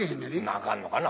あかんのかな。